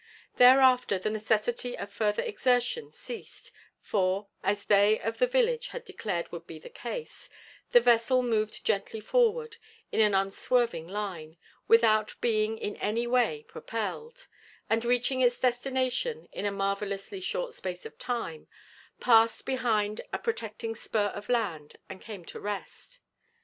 Thereafter the necessity of further exertion ceased, for, as they of the village had declared would be the case, the vessel moved gently forward, in an unswerving line, without being in any way propelled, and reaching its destination in a marvellously short space of time, passed behind a protecting spur of land and came to rest.